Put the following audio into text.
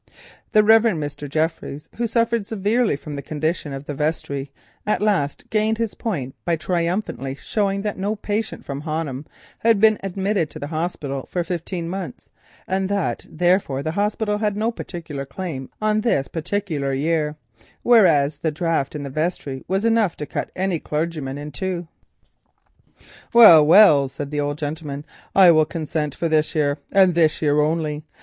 The Rev. Mr. Jeffries, who suffered severely from the condition of the vestry, at last gained his point by triumphantly showing that no patient from Honham had been admitted to the hospital for fifteen months, and that therefore the hospital had no claim on this particular year, whereas the draught in the vestry was enough to cut any clergyman in two. "Well, well," said the old gentleman, "I will consent for this year, and this year only.